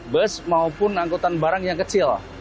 bus maupun angkutan barang yang kecil